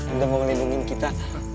engga mau melindungi kita